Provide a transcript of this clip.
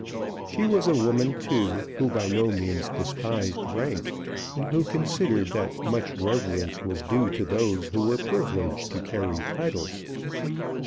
She was a woman, too, who by no means despised rank, and who considered that much reverence was due to those who were privileged to carry titles.